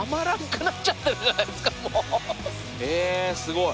えすごい。